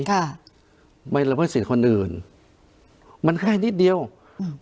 ค่ะไม่ละเมิดสิทธิ์คนอื่นมันแค่นิดเดียวอืม